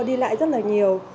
tour đi lại rất là nhiều